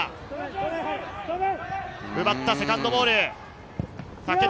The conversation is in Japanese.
奪ったセカンドボール。